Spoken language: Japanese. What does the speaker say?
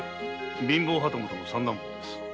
貧乏旗本の三男坊です。